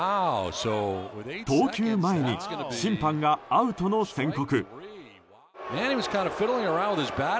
投球前に審判がアウトの宣告。